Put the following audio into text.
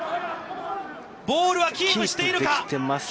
ボールはキープしているか。